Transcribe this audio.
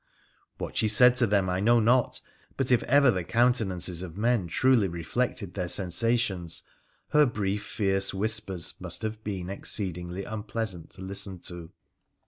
"What she said to them I know not, but, if ever the countenances of men truly reflected their sensations, her brief fierce whispers must have been exceed ingly unpleasant to listen to.